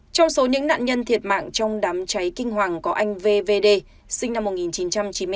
trong số những nạn nhân thiệt mạng trong đám cháy kinh hoàng có anh vvd sinh năm một nghìn chín trăm chín mươi ba